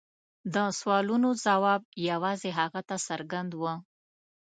د سوالونو ځواب یوازې هغه ته څرګند و.